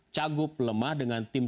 cagup lemah dengan tim